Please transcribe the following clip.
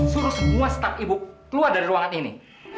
suruh semua staf ibu keluar dari ruangan ini